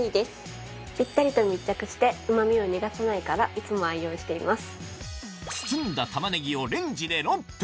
ぴったりと密着してうま味を逃がさないからいつも愛用しています。